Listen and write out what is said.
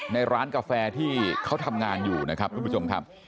ในร้านกาแฟที่เขาทำงานอยู่นะครับทุกผู้ชมครับ